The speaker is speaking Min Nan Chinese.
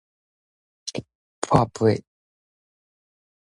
跋桮